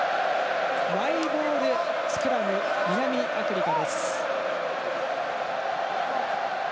マイボールスクラム南アフリカ。